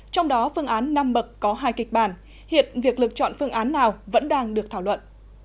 trong đó phương án năm bậc có hai kịch bản hiện việc lựa chọn phương án nào vẫn đang được thảo luận